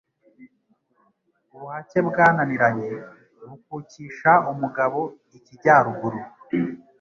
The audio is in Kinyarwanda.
ubuhake bwananiranye bukukisha umugabo ikijyaruguru ».